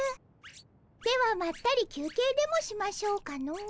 ではまったり休憩でもしましょうかの。